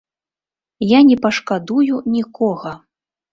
Я не пашкадую нікога!